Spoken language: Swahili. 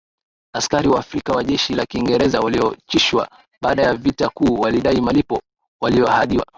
askari Waafrika wa jeshi la Kiingereza walioachishwa baada ya vita kuu walidai malipo waliyoahidiwa